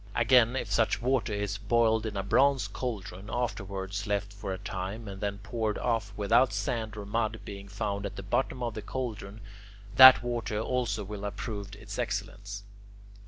Again, if such water is boiled in a bronze cauldron, afterwards left for a time, and then poured off without sand or mud being found at the bottom of the cauldron, that water also will have proved its excellence.